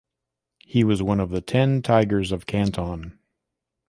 He was one of the Ten Tigers of Canton.